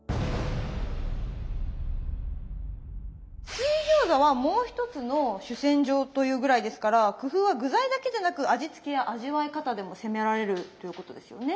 水餃子はもう一つの主戦場というぐらいですから工夫は具材だけじゃなく味付けや味わい方でも攻められるということですよね。